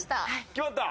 決まった？